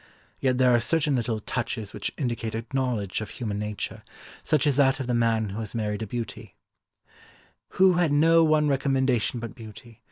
Yet there are certain little touches which indicate a knowledge of human nature, such as that of the man who has married a beauty, "Who had no one recommendation but beauty.